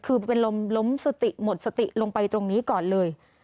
คือเป็นลมล้มสติหมดสติลงไปตรงนี้ก่อนเลย